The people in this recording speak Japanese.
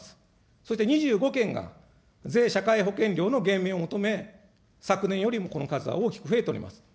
そして２５県が、税社会保険料の減免を求め、昨年よりもこの数は大きく増えております。